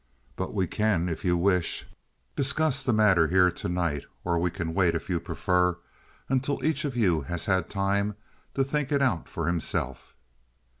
But we can, if you wish, discuss the matter here to night; or we can wait, if you prefer, until each of you has had time to think it out for himself."